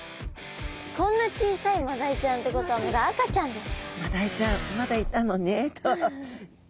こんな小さいマダイちゃんってことはまだ赤ちゃんですか。